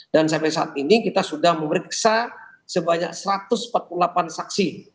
dan sampai saat ini kita sudah memeriksa sebanyak satu ratus empat puluh delapan saksi